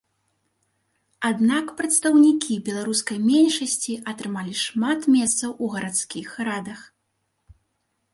Аднак прадстаўнікі беларускай меншасці атрымалі шмат месцаў у гарадскіх радах.